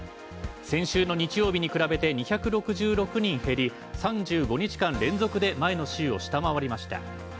先週の日曜日に比べて２６６人減り３５日間連続で前の週を下回りました。